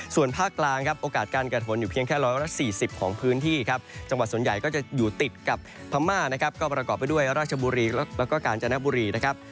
ส่วนภาคกลางครับโอกาสการเกิดฝนอยู่เพียงแค่๑๔๐ของพื้นที่ครับจังหวัดส่วนใหญ่ก็จะอยู่ติดกับพม่านะครับก็ประกอบไปด้วยราชบุรีแล้วก็กาญจนบุรีนะครับ